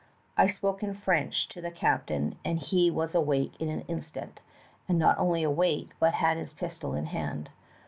I spoke in French to the captain and he was awake in an instant, and not only awake but had his pistol in hand.